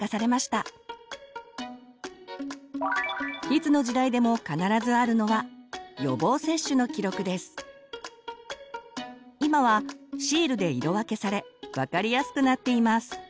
いつの時代でも必ずあるのは今はシールで色分けされ分かりやすくなっています。